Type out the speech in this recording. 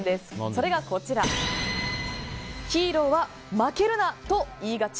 それが、ヒーローは負けるな！と言いがち。